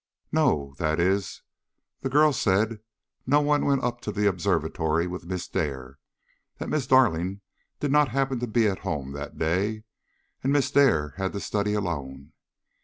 "No; that is, the girl said no one went up to the observatory with Miss Dare; that Miss Darling did not happen to be at home that day, and Miss Dare had to study alone.